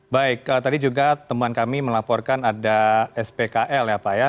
baik tadi juga teman kami melaporkan ada spkl ya pak ya